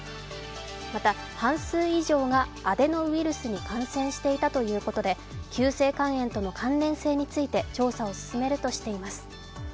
また半数以上がアデノウイルスに感染していたということで、急性肝炎との関連性について調査を進めるとしています。